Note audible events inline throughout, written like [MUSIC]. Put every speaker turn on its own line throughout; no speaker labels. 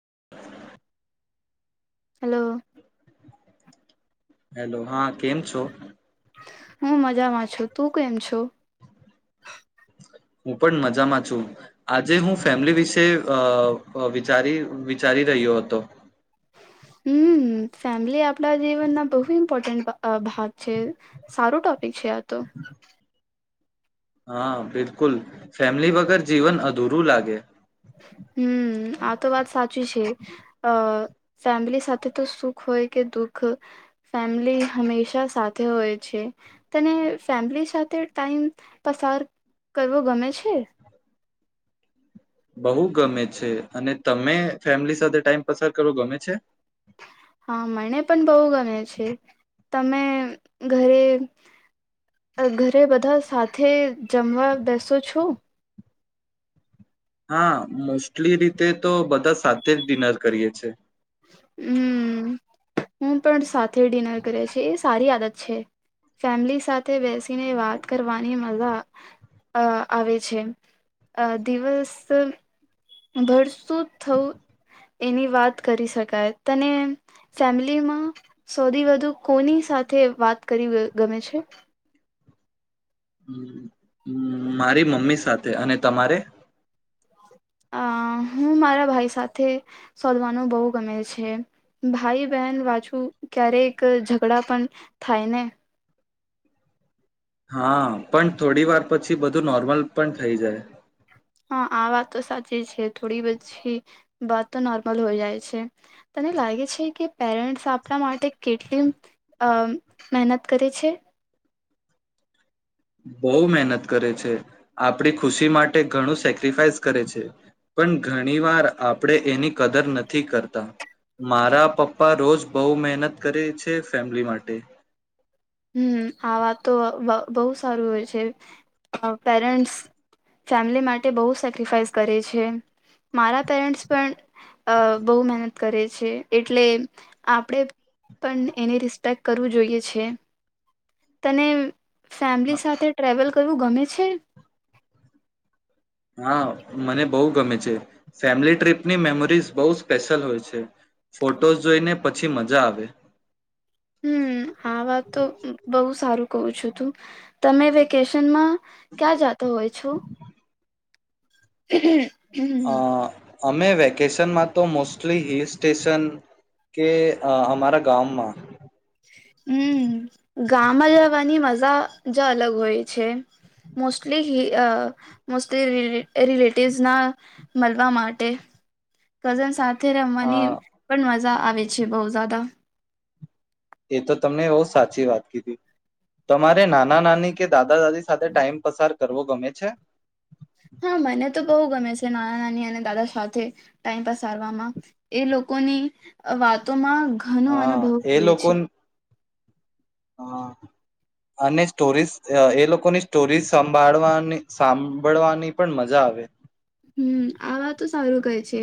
[INAUDIBLE]
Hello.
Hello હા કેમ છો?
હું મજામાં છું, તુ કેમ છો?
હું પણ મજામા છું. આજે હુ ફેમિલી વિશે અ અ વિચારી ચાલી રહ્યો હતો.
હમ્મ ફેમિલી આપણા જીવનના બહુ ઇમ્પોર્ટન્ટ અ ભાગ છે. સારું ટોપિક છે આ તો.
હા, બિલકુલ ફેમિલી વગર જીવન અધૂરું લાગે.
હમ્મ આ તો વાત સાચી છે, અ ફેમિલી સાથે તો સુખ હોય કે દુઃખ ફેમિલી હમેશા સાથે હોય છે. તને ફેમિલી સાથે ટાઈમ પસાર કરવો ગમે છે?
બહુ ગમે છે, અને તમે ફેમિલી સાથે ટાઈમ પસાર કરો ગમે છે?
હા મને પણ બહુ ગમે છે. તમે ઘરે ઘરે બધા સાથે જમવા બેસો છો?
હા, મોસ્ટલી રીતે તો બધા સાથે જ ડિનર કરીએ છે.
હમ્મ, હું પણ સા ધે ડિનર કરે છે, એ સારી આદત ફેમિલી સાથે બેસીને વાત કરવાની મજા આવે છે દિવસ ભરતું થવું એની વાત કરી શકાય તને ફેમિલીમાં સૌથી વધુ કોની સાથે વાત કરી ગમે છે.
હમ્મ મારી મમ્મી સાથે અને તમારે.
અ હું મારા ભાઈ સાથે શોધવાનું બહુ ગમે છે, ભાઈ બહેન વાછું ક્યારેક ઝઘડા પણ થાય ને.
હા પણ થોડી વાર પછી બધું નોર્મલ પણ થઈ જાય.
હા આ વાત તો સાચી છે, થોડી પછી વાતો તો નોર્મલ હોય જાય છે. તને લાગે છે, કે. પેરેન્ટ્સ આપણા માટે કેટલી અ મહેનત કરે છે.
બહુ મહેનત કરે છે, આપણી ખુશી માટે ઘણું સેક્રિફાઈસ કરે છે, પણ ઘણી વાર આપણે એની કદર નથી કરતા, મારા પપ્પા રોજ બહુ મહેનત કરે છે, ફેમિલી માટે.
હમ આ વાત તો બહુ સારું હોય છે પેરેન્ટ્સ ફેમિલી માટે બહુ સેક્રિફાઈસ કરે છે મારા પેરેન્ટ્સ પણ બહુ મહેનત કરે છે એટલે આપણે પણ એની રિસ્પેક્ટ કરવું જોઈએ છે તને ફેમિલી સાથે ટ્રાવેલ કરવું ગમે છે.
હા મને બહુ ગમે છે, ફેમિલી ટ્રીપની મેમોરીઝ બહુ સ્પેશિયલ હોય છે, ફોટોઝ જોઈને પછી મજા આવે.
હમ્મ આ વાત તો બહુ સારું. [UNINTELLIGIBLE] છું, તું તમે વેકેશનમાં ક્યાં જાતો હોય છું. હા હમમ.
આ. અમે વેકેશનમાં તો મોસ્ટલી હિલ સ્ટેશન કે આ અમારા ગામમાં.
હમ્મ. ગામમાં જવાની મજા જ અલગ હોય છે, મોસ્ટલી હિલ આ મોસ્ટલી રિ રિલેટિવ્સના મળવા માટે કઝન સાથ થે
અ
રમવાની પણ મજા આવે છે, બહુ જદા.
એ તો તમને બહુ સાચી વાત કીધી તમારે નાના નાની કે દાદા દાદી સાથે ટાઈમ પસાર કરવો ગમે છે.
હા મને તો બહુ ગમે છે, નાના નાની અને દાદા સાથે ટાઈમ પસારવામાં એ લોકોની વાતોમાં ઘણો
હા
અનુભવ
એ
હોય
લોકો
છે
હ અને સ્ટોરીઝ જ એ લોકોની સ્ટોરીઝ સંભાળવાની સાંભળવાની પણ મજા આવે.
હમ્મ આ વાતો સારું કહે છે,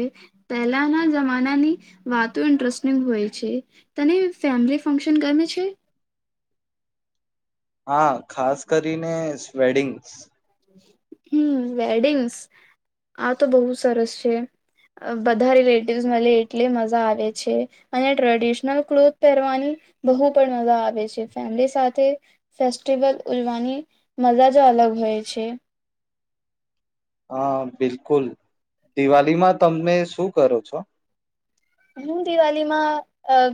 પહેલાના જમાનાની વાતો ઇન્ટરેસ્ટિંગ હોય છે, તને ફેમિલી ફંક્શન ગમે છે.
હા ખાસ કરીને સેવેડિંગ.
હમ્મ વેડિંગ્સ આ તો બહુ સરસ છે, બધા રિલેટિવસ મળી એટલે મજા આવે છે, અને ટ્રેડિશનલ ક્લોથ પહેરવાની બહુ પણ મજા આવે છે, ફેમિલી સાથે ફેસ્ટિવલ ઉજવાની મજા જ અલગ હોય. છે.
હા બિલકુલ દિવાળીમાં તમે ને શું કરો છો.
હું દિવાળીમાં આ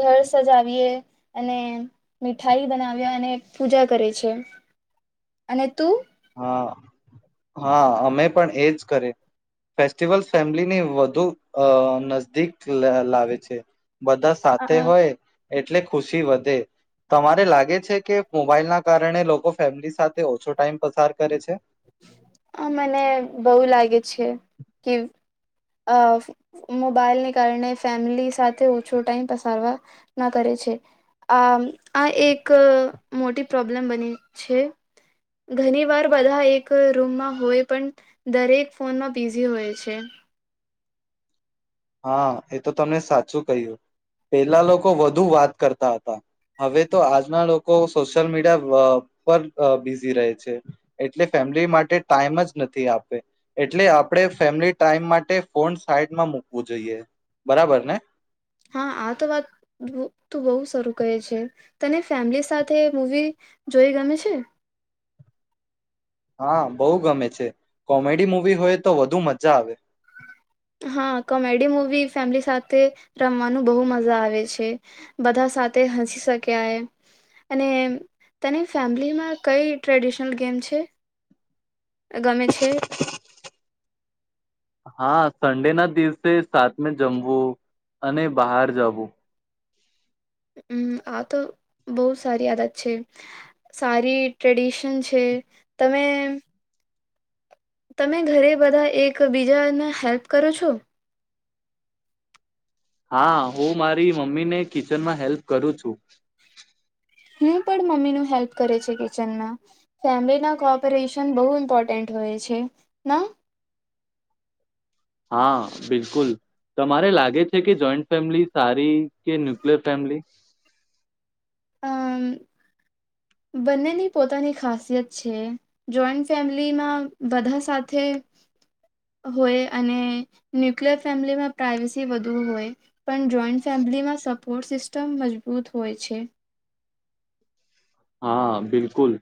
ઘર સજાવીએ અને મીઠાઈ બનાવીએ અને પૂજા કરે છે, અને તું.
હા હા અમે પણ એજ કરે ફેસ્ટિવલ ફેમિલીને વધુ અ નજદીક લા લાવે છે. બધા સાથે
અ
હોય એટલે ખુશી વધે તમારે લાગે છે, કે મોબાઈલ ના કારણે લોકો ફેમિલી સાથે ઓછો ટાઈમ પસાર કરે છે.
આ મને બહુ લાગે છે, કે આ મોબાઈલને કારણે ફેમિલી સાથે ઓછો ટાઈમ પસારવા ના કરે છે, આ આ એક મોટી પ્રોબ્લેમ બની છે, ઘણી વાર બધા એક રૂ રૂમમાં હોય પણ દરેક ફોનમાં બિઝી હોય છે.
હા એ તો તમને સાચું કહ્યું, પેલા લોકો વધુ વાત કરતા હતા, હવે તો આજના લોકો સોશિયલ મીડિયા પા પર બિઝી રહે છે, એટલે ફેમિલી માટે ટાઈમ જ નથી, આપે એટલે આપણે ફેમિલી ટાઈમ માટે ફોન સાઈડમાં મુક [UNINTELLIGIBLE] જોઈએ બરાબર ને.
હા આ તો વાત ત બહુ શરૂું કહે છે તને ફેમિલી સાથે મૂવી જોઈ ગમે છે.
હા બહુ ગમે છે કોમેડી મુવી હોય તો વધુ મજા આવે.
હા કોમેડી મૂવી ફેમિલી સાથે રમવાનું બહુ મજા આવે છે બધા સાથે હસી શક્યા એ અને તને ફેમિલીમાં કઈ ટ્રેડિશનલ ગેમ છે ગમે છે.
હા સન્ડે ના દિવસે સાતમે જમવું અને બહાર જવું.
હમ આ તો બહુ સારી આયાદત છે સારી ટ્રેડિશન છે તમે. તમે ઘરે બધા એક બીજાને હેલ્પ કરો છો.
હા હું મારી મમ્મી ને કિચનમાં હેલ્પ કરું છું.
હું પણ મમ્મીનું હેલ્પ કરે છે કિચનમાં ફેમિલીના કોપરેશન બહુ ઇમ્પોર્ટન્ટ હોય છે ના.
હા બિલકુલ તમારે લાગે છે કે જોઈન્ટ ફેમિલી સારી કે ન્યુક્લિયર ફેમિલી.
અ બંનેની પોતાની ખાસિયત છે જોઈન્ટ ફેમિલીમાં બધા સાથે હોય અને ન્યુક્લિયર ફેમિલીમાં પ્રાઇવેસી વધુ હોય પણ જોઈન્ટ ફેમિલીમાં સપોર્ટ સિસ્ટમ મજબૂત હોય છે.
હા બિલકુલ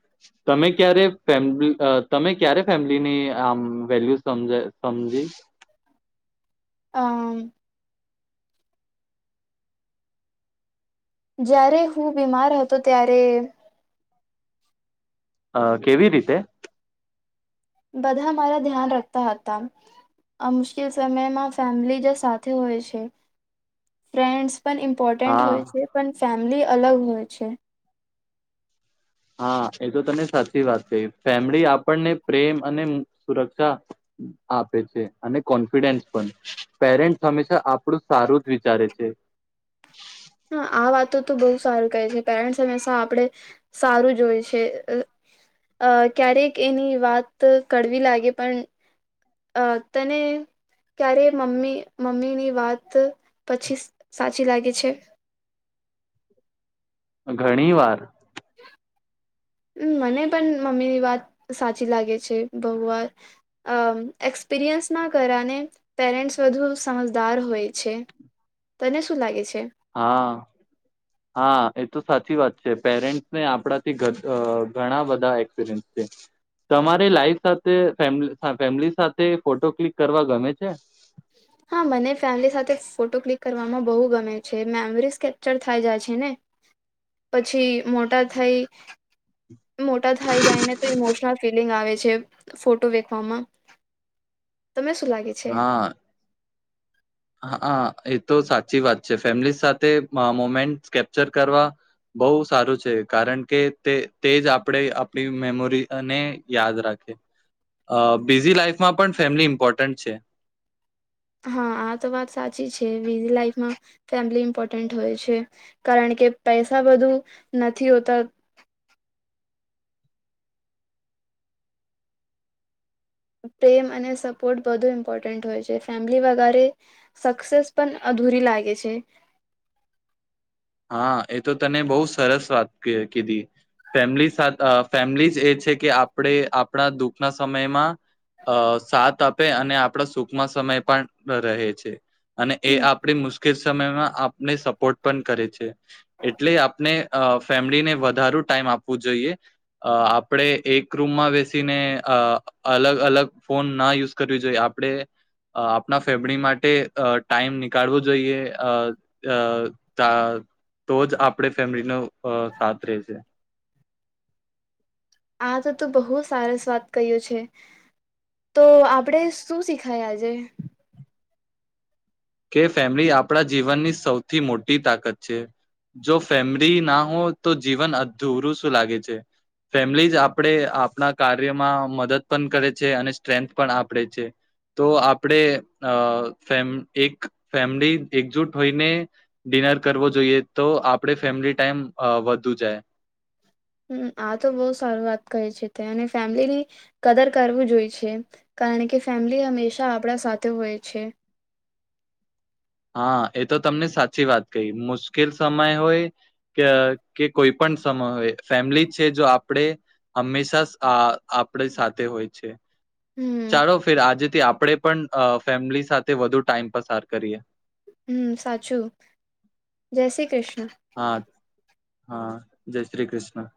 તમે ક્યારે ફેમ તમે ક્યારે ફેમિલીની આમ વેલ્યુ સમજ સમજી.
હમ. જ્યારે હું બીમાર હતો ત્યારે
અ કેવી રીતે.
બધા મારા ધ્યાન રાખતા હતા આ મુશ્કેલ સમયમાં ફેમિલી જે સાથે હોય છે ફ્રેન્ડસ પણ ઇમ્પોર્ટન્ટ
હા
હોય છે પણ ફે અલગ હોય છે.
હા એ તો તને સાચી વાત કહી ફેમલી આપણને પ્રેમ અને સુરક્ષા આપે છે અને કોન્ફિડન્સ પણ પેરેન્ટ હંમેશા આપણું સારું જ વિચારે છે.
હા આ વાતો તો બહુ સારું કહે છે પેરેન્ટ્સ હમેશા આપણે સારું જોએ છે ક્યારેક એની વાત કડવી લાગે પણ તને ક્યારે મમ્મી મમ્મીની વાત પછી સાચી લાગે છે.
ઘણી વાર
મ મને પણ મમ્મીની વાત સાચી લાગે છે બહવાર એક્સપિરિયન્સ ના કરને પેરેન્ટસ વધુ સમજદાર હોય છે તને શું લાગે છે.
હા હા એ. તો સાચી વાત છે પેરેન્ટસને આપણાથી ઘણા બધા એક્સપિરિયન્સ છે તમારે લાઈફ સાથે ફેમિલી સાથે ફોટો ક્લિક કરવા ગમે છે.
હા મને ફેમિલી સાથે ફોટો ક્લિક કરવામાં બહુ ગમે છે મેમરીઝ કેપ્ચર થાય જાય છે ને પછી મોટા થઈ. મોટા થાય જાય ને તો ઇમોશનલ ફિલિંગ આવે. ફોટો વેખવામાં તમે શું લાગે છે.
હા હા એ તો સાચી વાત છે ફેમિલી સાથે મોમેન્ટ કેપ્ચર કરવા બહુ સારું છે કારણ કે તે તે જ આપણે આપણી મેમોરીને યાદ રાખે બિઝી લાઈફમાં પણ ફેમિલી ઇમ્પોર્ટન્ટ છે.
હા આ તો વાત સાચી છે વિઝી લાઈફમાં ફેમિલી ઇમ્પોર્ટન્ટ હોય છે કારણ કે પૈસા બધું નથી હોતા. પ્રેમ અને સપોર્ટ બધુ ઇમ્પોર્ટન્ટ હોય છે ફેમિલી વગરે સક્સેસ પણ અધૂરી લાગે છે.
હા એ તો તને બહુ સરસ વાત કીધી ફેમિલી ફેમિલી જ એ છે કે આપણે આપણા દુઃખના સમયમાં. અ સાત આપ અને આપણા સુખના સમય પણ રહે છે. અને એ
હમ
આપણી મુશ્કેલ સ સમયમાં આપને સપોર્ટ પણ કરે છે. એટલે આપણે ફેમિલીને વધારો ટાઈમ આપવું જોઈએ આપણે એક રૂમમાં બેસીને અ અલગ અલગ ફોન ના યુઝ કરવી જોઈએ આપણે આપણા ફેમિલી માટે ટાઈમ નીકાળવો જોઈએ અ અ તા તો જ આપણે ફેમિલીનો અ સાથ રહેશે.
અચ્છા તો તું બહુ સરસ વાત કહ્યુ છે તો આપણેે શું શીખાય આજે.
કે ફેમિલી આપણા જીવનની સૌથી મોટી તાકાત છે જો ફેમલી ના હો તો જીવન અધૂરું શું લાગે છે ફેમલી જ આપણે આપણા કાર્યમાં મદદ પણ કરે છે અને સ્ટ્રેન્થ પણ આપડે છે તો આપણે અ ફેમ એક. ફેમિલી એકજૂટ હોઈને ડિનર કરવો જોઈએ તો આપણે ફેમિલી ટાઈમ વધુ જાય.
હમ આ તો બહુ સારુ વાત કહે છે તે અને ફેમિલીની કદર કરવું જોય છે કારણ કે ફેમિલી હંમેશા આપણા સાથે હોય છે.
હા એ તો તમને સાચી વાત કહી મુશ્કેલ સમય હોય કે કે કોઈ પણ સમય હોય ફેમિલી છે જો આપણે હંમેશા આપણે સાથે હોય છે.
હમ
ચાલો ફેર આજેથી આપ. આપડે પણ ફેમિલી સાથે વધુ ટાઈમ પસાર કરીએ.
હમ સાચું જય શ્રી કૃષ્ણ.
હા હા. જય શ્રી કૃષ્ણ.